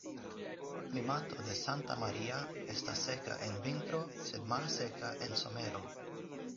Klimato de Santa Maria estas seka en vintro, sed malseka en somero.